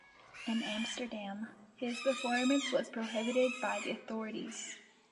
In Amsterdam his performance was prohibited by the authorities.